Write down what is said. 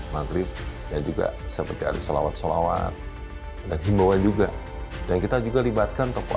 maghrib dan juga seperti ada sholawat sholawat dan himbauan juga dan kita juga libatkan tokoh